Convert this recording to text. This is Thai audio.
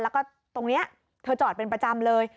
แล้วก็ตรงนี้เธอจอดเป็นประจำเลย